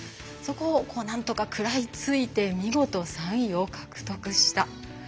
そこを、なんとか食らいついて見事３位を獲得した。